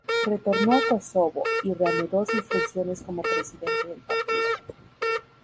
Retornó a Kosovo, y reanudó sus funciones como presidente del partido.